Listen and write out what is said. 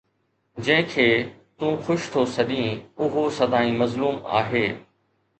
جنهن کي تون خوش ٿو سڏين، اهو سدائين مظلوم آهي